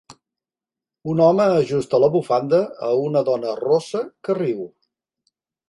Un home ajusta la bufanda a una dona rossa que riu